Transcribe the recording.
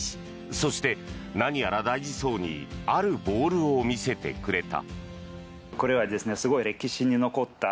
そして、何やら大事そうにあるボールを見せてくれた。